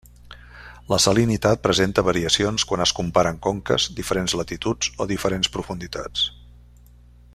La salinitat presenta variacions quan es comparen conques, diferents latituds o diferents profunditats.